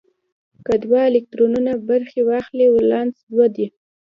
که دوه الکترونونه برخه واخلي ولانس دوه دی.